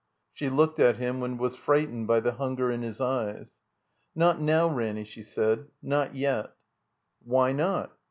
* She looked at him and was frightened by the hunger in his eyes. ''Not now, Ranny," she said. *'Not yet." ''Why not?"